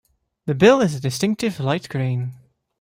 The bill is a distinctive light green.